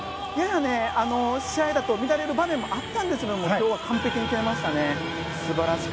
やや試合だと乱れる場面もあったんですけど今日は完璧に決めました。